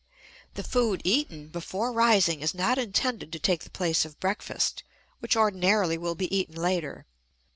The food eaten before rising is not intended to take the place of breakfast, which ordinarily will be eaten later.